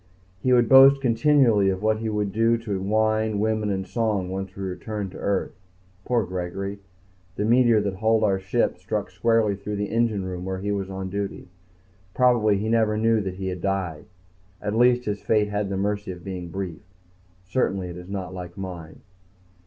He would boast continually of what he would do to wine, women, and song once we returned to Earth. Poor Gregory. The meteor that hulled our ship struck squarely through the engine room where he was on duty. Probably he never knew that he had died. At least his fate had the mercy of being brief. Certainly it is not like mine.